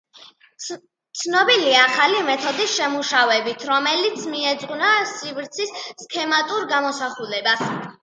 როჟე ბრიუნე განსაკუთრებით ცნობილია ახალი მეთოდის შემუშავებით, რომელიც მიეძღვნა სივრცის სქემატურ გამოსახულებას.